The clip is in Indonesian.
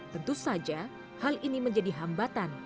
tentu saja hal ini menjadi hambatan